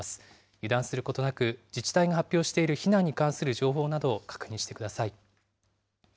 油断することなく、自治体が発表している避難に関する情報などを確認してください。